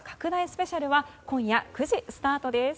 スペシャルは今夜９時スタートです。